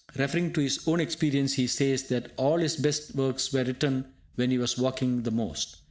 Referring to his own experience, he says that all his best works were written when he was walking the most.